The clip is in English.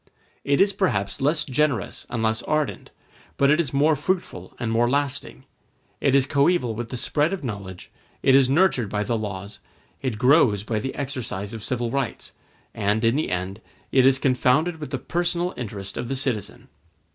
It is perhaps less generous and less ardent, but it is more fruitful and more lasting; it is coeval with the spread of knowledge, it is nurtured by the laws, it grows by the exercise of civil rights, and, in the end, it is confounded with the personal interest of the citizen.